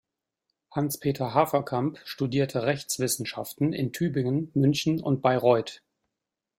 Hans-Peter Haferkamp studierte Rechtswissenschaften in Tübingen, München und Bayreuth.